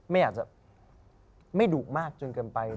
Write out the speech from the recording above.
ไม่อาจจะไม่ดุมากจนเกินไป